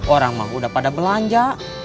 orang mah udah pada belanja